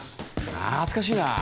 懐かしいなあ。